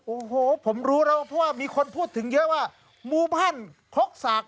โอ้โหผมรู้แล้วเพราะว่ามีคนพูดถึงเยอะว่าหมู่บ้านคกสาก